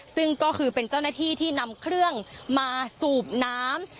ซึ่งก็คือเป็นเจ้าหน้าที่ที่นำเครื่องมาสูบน้ำ